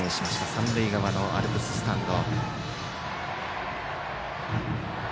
三塁側のアルプススタンド。